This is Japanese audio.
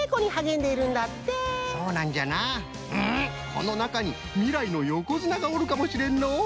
このなかにみらいのよこづながおるかもしれんのう！